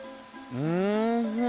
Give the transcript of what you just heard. うん！